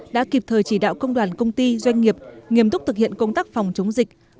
đã kịp thời chỉ đạo công đoàn công ty doanh nghiệp nghiêm túc thực hiện công tác phòng chống dịch